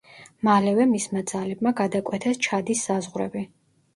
მალევე მისმა ძალებმა გადაკვეთეს ჩადის საზღვრები.